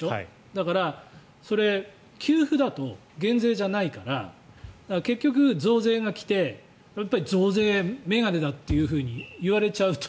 だから、給付だと減税じゃないから結局、増税が来て増税メガネだというふうに言われちゃうと。